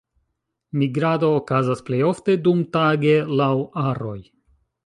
Migrado okazas plej ofte dumtage laŭ aroj.